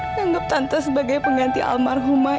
menganggap tante sebagai pengganti almarhumah